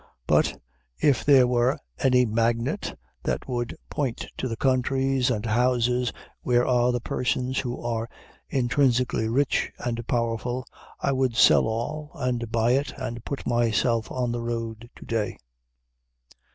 But if there were any magnet that would point to the countries and houses where are the persons who are intrinsically rich and powerful, I would sell all, and buy it, and put myself on the road to day.